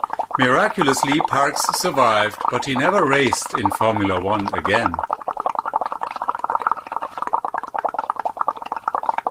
Miraculously, Parkes survived, but he never raced in Formula One again.